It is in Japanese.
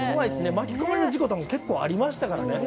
巻き込まれる事故とかも結構ありましたからね。